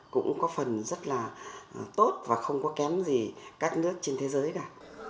cũng có phần rất là tốt và không có kém gì các nước trên thế giới cả